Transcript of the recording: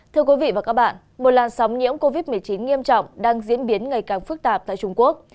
thưa quý vị và các bạn một làn sóng nhiễm covid một mươi chín nghiêm trọng đang diễn biến ngày càng phức tạp tại trung quốc